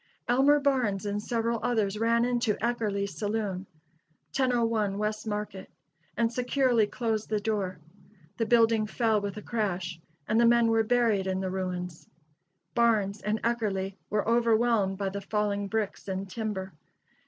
Elmer Barnes and several others ran into Eckerle's saloon, 1001 West Market, and securely closed the door. The building fell with a crash, and the men were buried in the ruins. Barnes and Eckerle were overwhelmed by the falling bricks and timber.